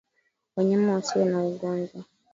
Wanyama wasio na ugonjwa